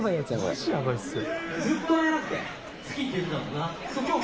「マジやばいっすよ」